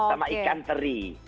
sama ikan teri